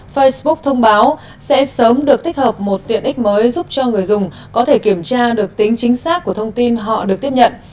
facebook thông báo sẽ sớm được tích hợp một tiện ích mới giúp cho người dùng có thể kiểm tra được tính chính xác của thông tin họ được tiếp nhận